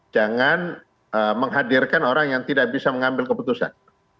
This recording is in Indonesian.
jangan menghadirkan orang yang tidak bisa mengambil keputusan